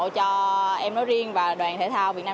cho em nói riêng và đoàn thể thao việt nam